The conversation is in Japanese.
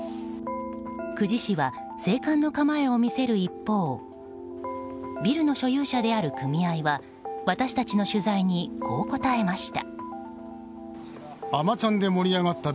久慈市は静観の構えを見せる一方ビルの所有者である組合は私たちの取材にこう答えました。